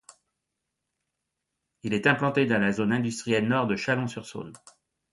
Il est implanté dans la zone industrielle nord de Chalon-sur-Saône.